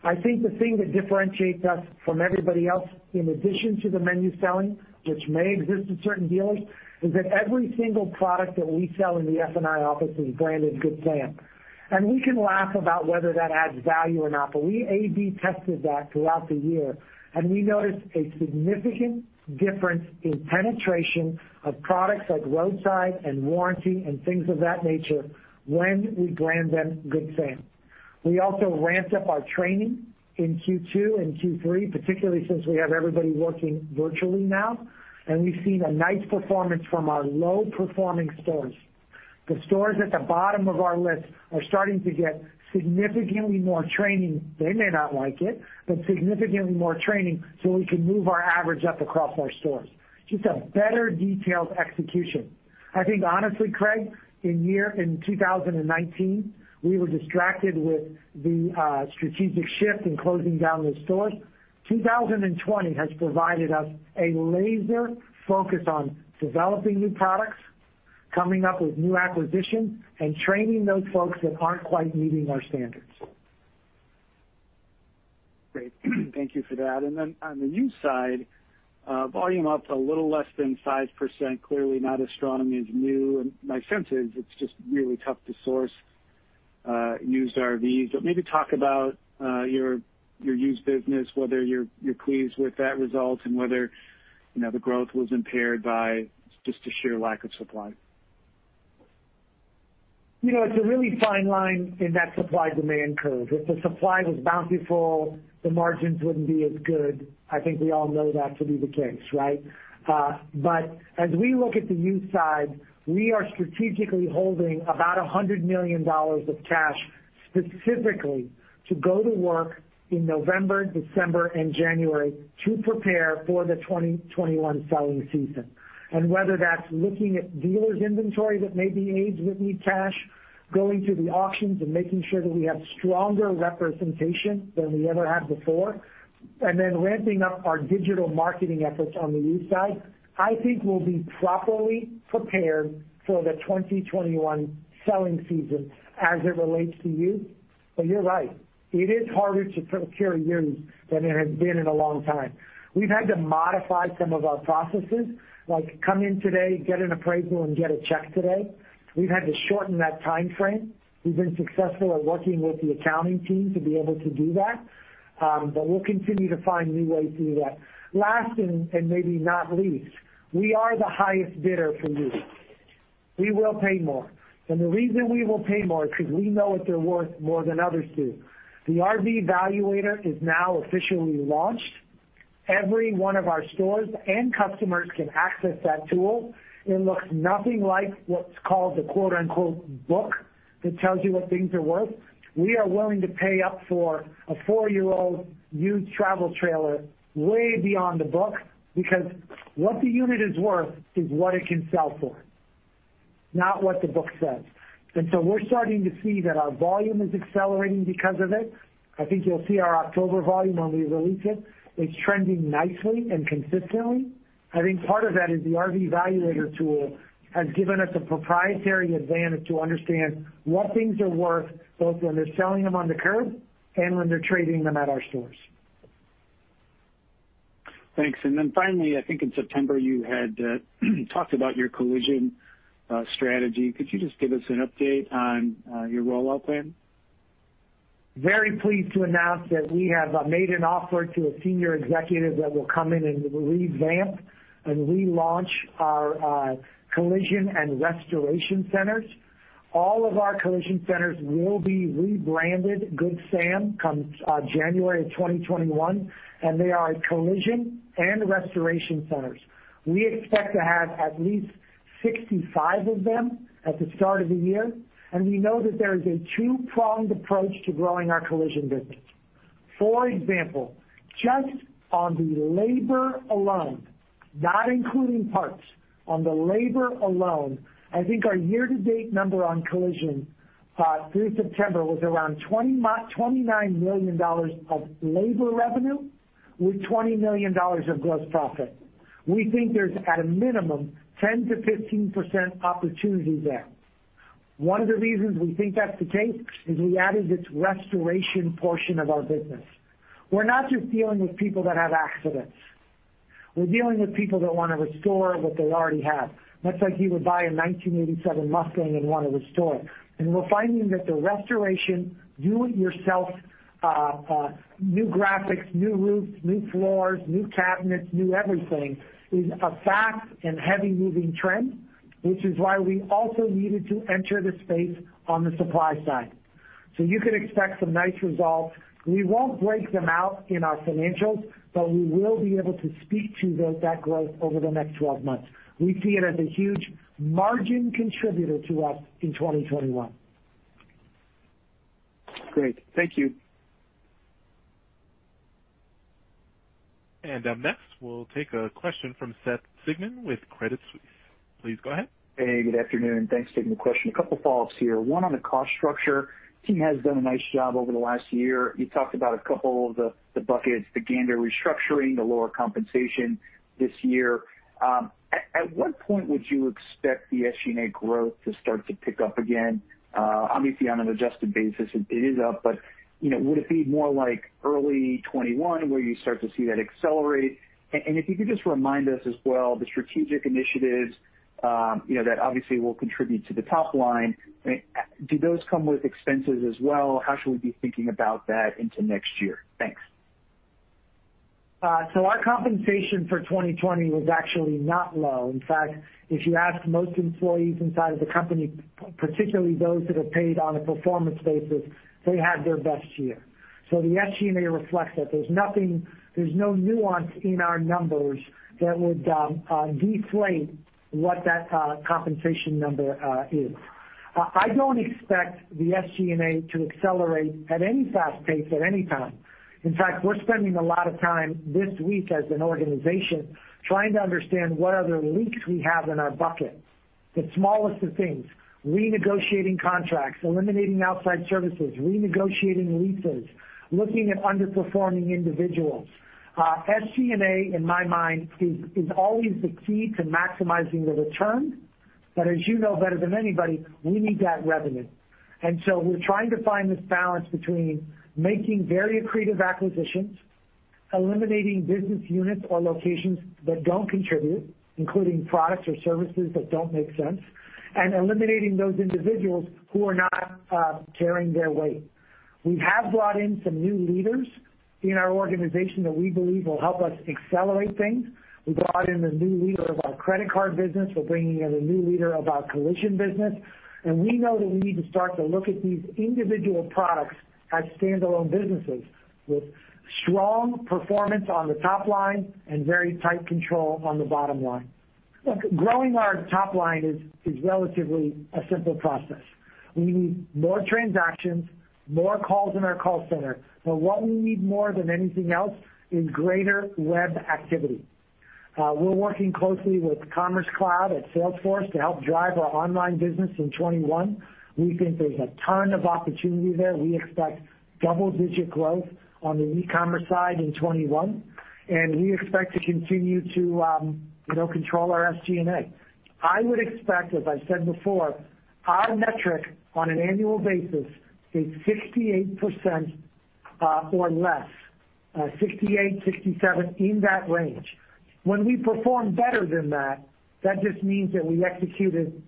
I think the thing that differentiates us from everybody else, in addition to the menu selling, which may exist in certain dealers, is that every single product that we sell in the F&I office is branded Good Sam. And we can laugh about whether that adds value or not. But we A/B tested that throughout the year. And we noticed a significant difference in penetration of products like roadside and warranty and things of that nature when we brand them Good Sam. We also ramped up our training in Q2 and Q3, particularly since we have everybody working virtually now. And we've seen a nice performance from our low-performing stores. The stores at the bottom of our list are starting to get significantly more training. They may not like it, but significantly more training so we can move our average up across our stores. Just a better detailed execution. I think, honestly, Craig, in 2019, we were distracted with the strategic shift in closing down those stores. 2020 has provided us a laser focus on developing new products, coming up with new acquisitions, and training those folks that aren't quite meeting our standards. Great. Thank you for that. And then on the used side, volume up a little less than 5%. Clearly, not as strong as new. And my sense is it's just really tough to source used RVs. But maybe talk about your used business, whether you're pleased with that result and whether the growth was impaired by just a sheer lack of supply? It's a really fine line in that supply-demand curve. If the supply was bountiful, the margins wouldn't be as good. I think we all know that to be the case, right? But as we look at the used side, we are strategically holding about $100 million of cash specifically to go to work in November, December, and January to prepare for the 2021 selling season. And whether that's looking at dealers' inventory that may be aged but need cash, going to the auctions and making sure that we have stronger representation than we ever had before, and then ramping up our digital marketing efforts on the used side, I think we'll be properly prepared for the 2021 selling season as it relates to used. But you're right. It is harder to procure used than it has been in a long time. We've had to modify some of our processes, like come in today, get an appraisal, and get a check today. We've had to shorten that timeframe. We've been successful at working with the accounting team to be able to do that, but we'll continue to find new ways to do that. Last, and maybe not least, we are the highest bidder for used. We will pay more, and the reason we will pay more is because we know what they're worth more than others do. The RV Valuator is now officially launched. Every one of our stores and customers can access that tool. It looks nothing like what's called the "book" that tells you what things are worth. We are willing to pay up for a four-year-old used travel trailer way beyond the book because what the unit is worth is what it can sell for, not what the book says, and so we're starting to see that our volume is accelerating because of it. I think you'll see our October volume when we release it. It's trending nicely and consistently. I think part of that is the RV Valuator tool has given us a proprietary advantage to understand what things are worth both when they're selling them on the curb and when they're trading them at our stores. Thanks, and then finally, I think in September you had talked about your collision strategy. Could you just give us an update on your rollout plan? Very pleased to announce that we have made an offer to a senior executive that will come in and revamp and relaunch our collision and restoration centers. All of our collision centers will be rebranded Good Sam come January 2021, and they are collision and restoration centers. We expect to have at least 65 of them at the start of the year, and we know that there is a two-pronged approach to growing our collision business. For example, just on the labor alone, not including parts, on the labor alone, I think our year-to-date number on collision through September was around $29 million of labor revenue with $20 million of gross profit. We think there's, at a minimum, 10%-15% opportunity there. One of the reasons we think that's the case is we added this restoration portion of our business. We're not just dealing with people that have accidents. We're dealing with people that want to restore what they already have, much like you would buy a 1987 Mustang and want to restore it, and we're finding that the restoration, do-it-yourself, new graphics, new roofs, new floors, new cabinets, new everything is a fast and heavy-moving trend, which is why we also needed to enter the space on the supply side, so you can expect some nice results. We won't break them out in our financials, but we will be able to speak to that growth over the next 12 months. We see it as a huge margin contributor to us in 2021. Great. Thank you. Next, we'll take a question from Seth Sigman with Credit Suisse. Please go ahead. Hey, good afternoon. Thanks for taking the question. A couple of follow-ups here. One on the cost structure. Team has done a nice job over the last year. You talked about a couple of the buckets: the Gander restructuring, the lower compensation this year. At what point would you expect the SG&A growth to start to pick up again? Obviously, on an adjusted basis, it is up. But would it be more like early 2021 where you start to see that accelerate? And if you could just remind us as well, the strategic initiatives that obviously will contribute to the top line, do those come with expenses as well? How should we be thinking about that into next year? Thanks. So our compensation for 2020 was actually not low. In fact, if you ask most employees inside of the company, particularly those that are paid on a performance basis, they had their best year. So the SG&A reflects that. There's no nuance in our numbers that would deflate what that compensation number is. I don't expect the SG&A to accelerate at any fast pace at any time. In fact, we're spending a lot of time this week as an organization trying to understand what other leaks we have in our bucket. The smallest of things: renegotiating contracts, eliminating outside services, renegotiating leases, looking at underperforming individuals. SG&A, in my mind, is always the key to maximizing the return. But as you know better than anybody, we need that revenue. And so we're trying to find this balance between making very accretive acquisitions, eliminating business units or locations that don't contribute, including products or services that don't make sense, and eliminating those individuals who are not carrying their weight. We have brought in some new leaders in our organization that we believe will help us accelerate things. We brought in a new leader of our credit card business. We're bringing in a new leader of our collision business. And we know that we need to start to look at these individual products as standalone businesses with strong performance on the top line and very tight control on the bottom line. Look, growing our top line is relatively a simple process. We need more transactions, more calls in our call center. But what we need more than anything else is greater web activity. We're working closely with Commerce Cloud at Salesforce to help drive our online business in 2021. We think there's a ton of opportunity there. We expect double-digit growth on the e-commerce side in 2021. And we expect to continue to control our SG&A. I would expect, as I said before, our metric on an annual basis is 68% or less, 68%, 67% in that range. When we perform better than that, that just means that we executed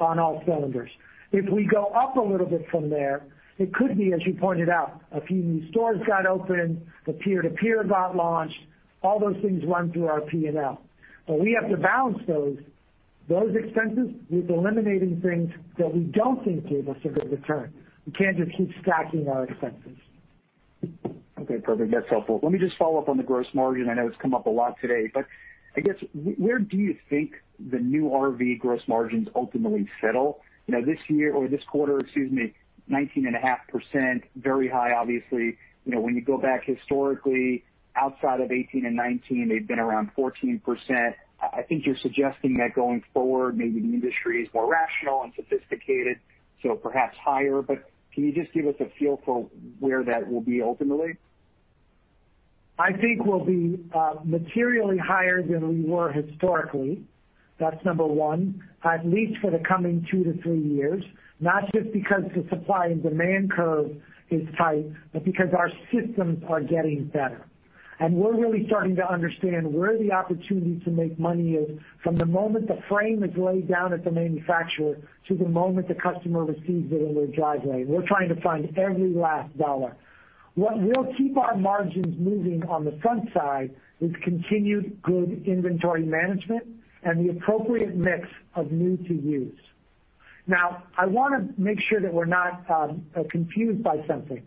on all cylinders. If we go up a little bit from there, it could be, as you pointed out, a few new stores got open, the peer-to-peer got launched. All those things run through our P&L. But we have to balance those expenses with eliminating things that we don't think give us a good return. We can't just keep stacking our expenses. Okay. Perfect. That's helpful. Let me just follow up on the gross margin. I know it's come up a lot today. But I guess, where do you think the new RV gross margins ultimately settle? This year or this quarter, excuse me, 19.5%, very high, obviously. When you go back historically, outside of 2018 and 2019, they've been around 14%. I think you're suggesting that going forward, maybe the industry is more rational and sophisticated, so perhaps higher. But can you just give us a feel for where that will be ultimately? I think we'll be materially higher than we were historically. That's number one, at least for the coming two to three years, not just because the supply and demand curve is tight, but because our systems are getting better, and we're really starting to understand where the opportunity to make money is from the moment the frame is laid down at the manufacturer to the moment the customer receives it in their driveway. We're trying to find every last dollar. What will keep our margins moving on the front side is continued good inventory management and the appropriate mix of new to used. Now, I want to make sure that we're not confused by something.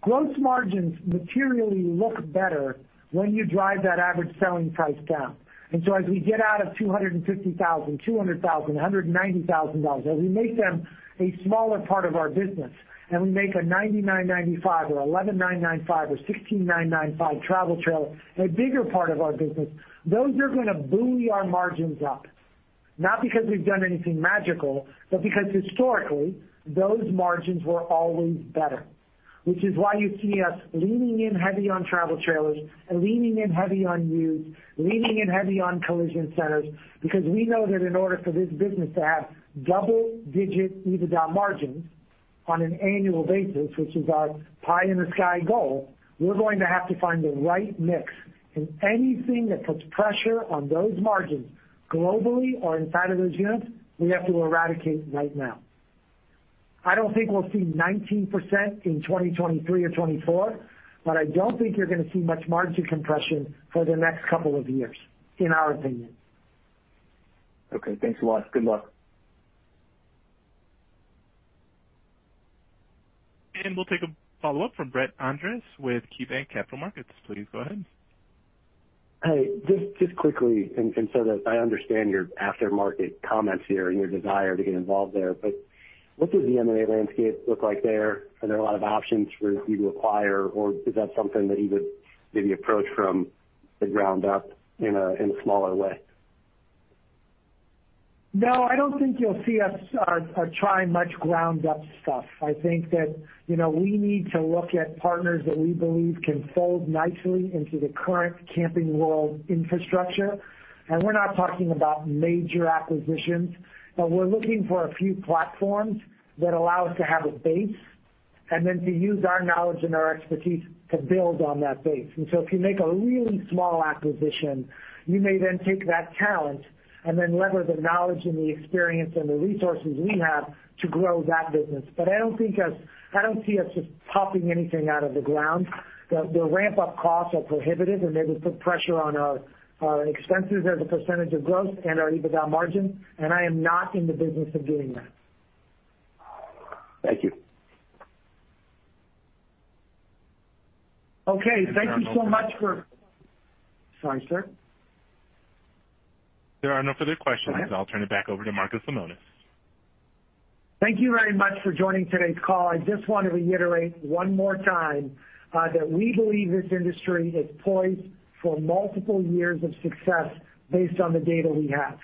Gross margins materially look better when you drive that average selling price down. And so, as we get out of $250,000, $200,000, $190,000, as we make them a smaller part of our business and we make a 9,995 or 11,995 or 16,995 travel trailer a bigger part of our business, those are going to boost our margins up, not because we've done anything magical, but because historically, those margins were always better, which is why you see us leaning in heavy on travel trailers and leaning in heavy on used, leaning in heavy on collision centers, because we know that in order for this business to have double-digit EBITDA margins on an annual basis, which is our pie-in-the-sky goal. We're going to have to find the right mix. And anything that puts pressure on those margins globally or inside of those units, we have to eradicate right now. I don't think we'll see 19% in 2023 or 2024, but I don't think you're going to see much margin compression for the next couple of years, in our opinion. Okay. Thanks a lot. Good luck. And we'll take a follow-up from Brett Andress with KeyBanc Capital Markets. Please go ahead. Hey, just quickly, and so that I understand your aftermarket comments here and your desire to get involved there, but what does the M&A landscape look like there? Are there a lot of options for you to acquire, or is that something that you would maybe approach from the ground up in a smaller way? No, I don't think you'll see us try much ground-up stuff. I think that we need to look at partners that we believe can fold nicely into the current Camping World infrastructure. And we're not talking about major acquisitions, but we're looking for a few platforms that allow us to have a base and then to use our knowledge and our expertise to build on that base. And so if you make a really small acquisition, you may then take that talent and then leverage the knowledge and the experience and the resources we have to grow that business. But I don't think. I don't see us just popping anything out of the ground. The ramp-up costs are prohibitive, and they would put pressure on our expenses as a percentage of gross and our EBITDA margin. And I am not in the business of doing that. Thank you. Okay. Thank you so much for. Sorry, sir. There are no further questions. Thanks. Then I'll turn it back over to Marcus Lemonis. Thank you very much for joining today's call. I just want to reiterate one more time that we believe this industry is poised for multiple years of success based on the data we have,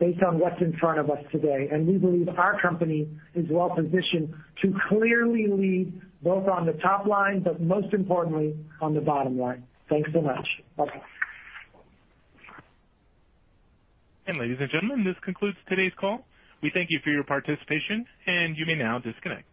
based on what's in front of us today. We believe our company is well-positioned to clearly lead both on the top line, but most importantly, on the bottom line. Thanks so much. Bye-bye. Ladies and gentlemen, this concludes today's call. We thank you for your participation, and you may now disconnect.